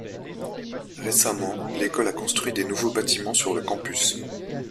Récemment, l'école a construit des nouveaux bâtiments sur le campus.